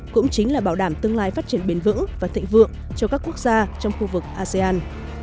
cũng chính là bảo đảm tương lai phát triển bền vững và thịnh vượng cho các quốc gia trong khu vực asean